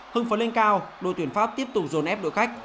hưng phấn lên cao đội tuyển pháp tiếp tục dồn ép đội khách